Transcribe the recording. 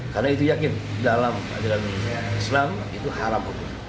karena itu yakin dalam islam itu haram